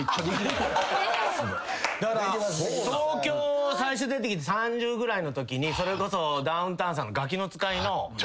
だから東京最初出てきて３０ぐらいのときにそれこそダウンタウンさんの。